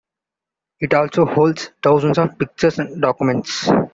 It also holds thousands of pictures and documents.